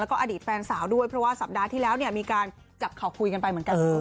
แล้วก็อดีตแฟนสาวด้วยเพราะว่าสัปดาห์ที่แล้วเนี่ยมีการจับเข่าคุยกันไปเหมือนกัน